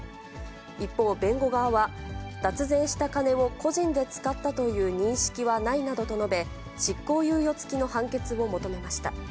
一方、弁護側は、脱税した金を個人で使ったという認識はないなどと述べ、執行猶予付きの判決を求めました。